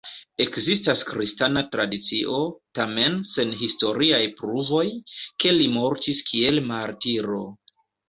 Ekzistas kristana tradicio, tamen sen historiaj pruvoj, ke li mortis kiel martiro.